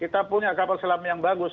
kita punya kapal selam yang bagus